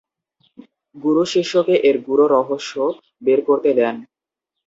গুরু শিষ্যকে এর গূঢ় রহস্য ভেদ করে দেন।